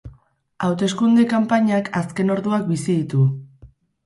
Hauteskunde kanpainak azken orduak bizi ditu.